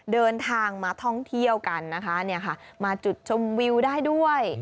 เดินทางมาท่องเที่ยวกันนะคะมาจุดชมวิวได้ด้วย